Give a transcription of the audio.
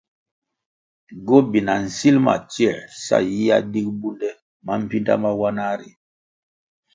Gobina nsilʼ ma tsioē sa yiyia dig bundè mambpinda mawanah ri.